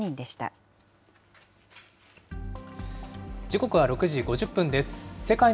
時刻は６時５０分です。